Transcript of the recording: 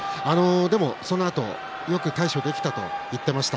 そのあとよく対処できたと言っていました。